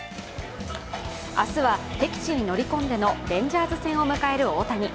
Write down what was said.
明日は敵地に乗り込んでのレンジャーズ戦を迎える大谷。